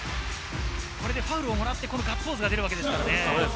これでファウルをもらって、ガッツポーズが出るわけですからね。